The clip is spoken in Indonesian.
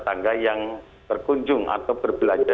dengan hal yang diterekan dengan vista bawah nyanyi ya